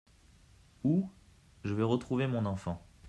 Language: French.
Où ? Je vais retrouver mon enfant.